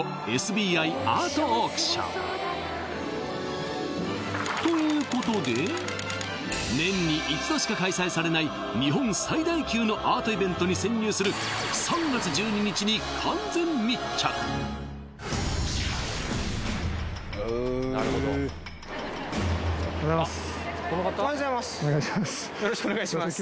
アートオークションということで年に一度しか開催されない日本最大級のアートイベントに潜入する３月１２日に完全密着おはようございますお願いします